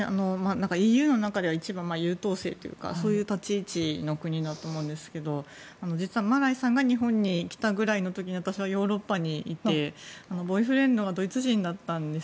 ＥＵの中では一番優等生というか、そういう立ち位置の国だと思うんですけどマライさんが日本に来たぐらいの時に私はヨーロッパにいてボーイフレンドがドイツ人だったんです。